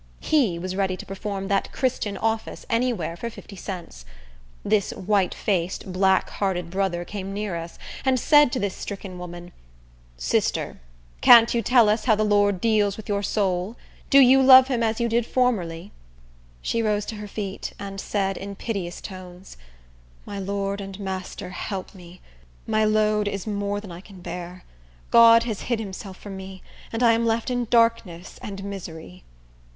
He was ready to perform that Christian office any where for fifty cents. This white faced, black hearted brother came near us, and said to the stricken woman, "Sister, can't you tell us how the Lord deals with your soul? Do you love him as you did formerly?" She rose to her feet, and said, in piteous tones, "My Lord and Master, help me! My load is more than I can bear. God has hid himself from me, and I am left in darkness and misery."